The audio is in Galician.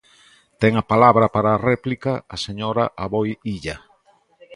Ten a palabra para a réplica a señora Aboi Illa.